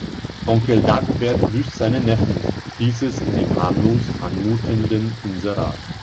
Onkel Dagobert grüßt seinen Neffen, hieß es in dem harmlos anmutenden Inserat.